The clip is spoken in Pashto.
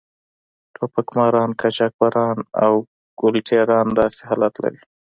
ټوپک ماران، قاچاقبران او ګل ټېران داسې حالت لري.